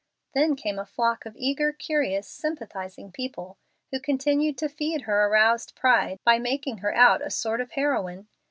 Then came a flock of eager, curious, sympathizing people, who continued to feed her aroused pride by making her out a sort of heroine.